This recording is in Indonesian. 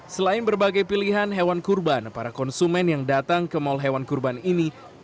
selain berbagai pilihan hewan kurban para konsumen yang datang ke mall hewan kurban ini